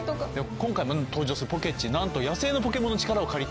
今回登場するポケッチなんと。